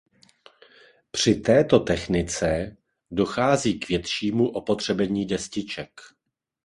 Při této technice dochází k většímu opotřebení destiček.